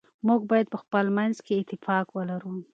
موږ باید په خپل منځ کي اتفاق ولرو.